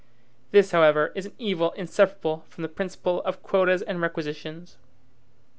This, however, is an evil inseparable from the principle of quotas and requisitions.